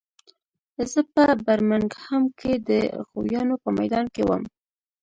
زه په برمنګهم کې د غویانو په میدان کې وم